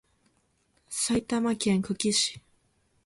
埼玉県久喜市